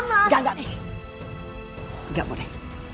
enggak enggak enggak boleh